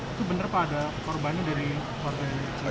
itu benar apa ada korbannya dari kcjb